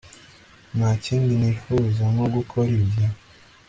Nta kindi nifuza nko gukora ibyo